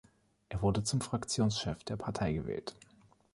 Er wurde zum Fraktionschef der Partei gewählt.